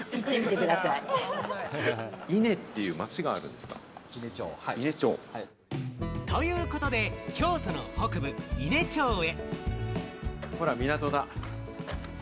伊根という町があるんですか。ということで、京都の北部・伊根町へ。